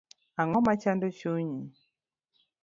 Ang'oma chando chunyi